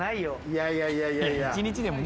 いやいやいやいや。